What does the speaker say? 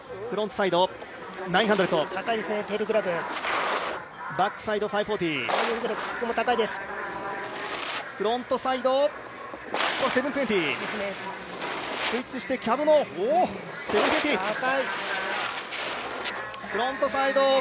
フロントサイド７２０。